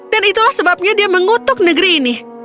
dan itulah sebabnya dia mengutuk negeri ini